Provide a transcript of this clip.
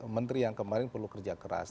menteri yang kemarin perlu kerja keras